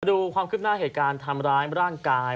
ดูความคืบหน้าเหตุการณ์ทำร้ายร่างกาย